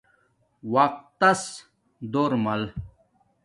وقت تس دور مل